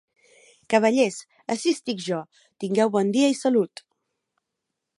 Cavallers, ací estic jo, tinguen bon dia i salut!